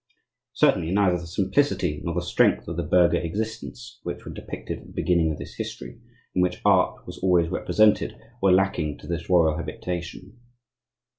Certainly, neither the simplicity nor the strength of the burgher existence (which were depicted at the beginning of this history) in which Art was always represented, were lacking to this royal habitation.